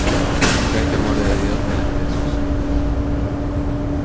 No hay temor de Dios delante de sus ojos.